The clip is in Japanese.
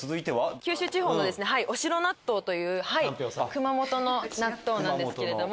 九州地方のお城納豆という熊本の納豆なんですけれども。